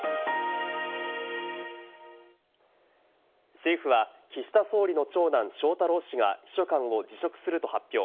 政府は岸田総理の長男・翔太郎氏が秘書官を辞職すると発表。